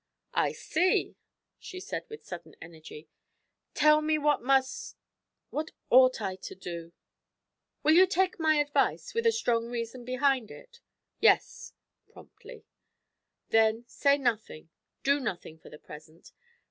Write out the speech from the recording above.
'I see!' she said, with sudden energy. 'Tell me what must what ought I to do?' 'Will you take my advice, with a strong reason behind it?' 'Yes,' promptly. 'Then, say nothing, do nothing, for the present.